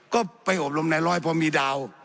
ก็ไปอบรมในร้อยพอมีดาว